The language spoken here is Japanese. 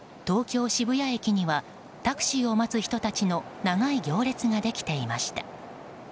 東京・渋谷駅にはタクシーを待つ人たちの長い行列ができていました。